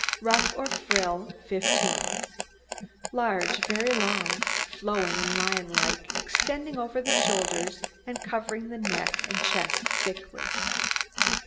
RUFF OR FRILL 15 Large, very long, flowing, and lion like, extending over the shoulders, and covering the neck and chest thickly.